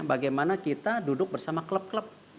bagaimana kita duduk bersama klub klub